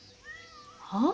はあ？